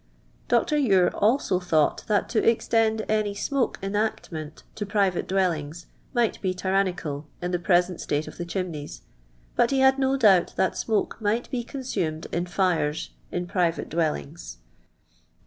| Dr. Ure also thought that to extend any smoke enijctment to prJTate dwellings might be tyranni I cal in the present ttate of the chimneys, but he had no doubt that smoke might be consumed in fires in private dwellings.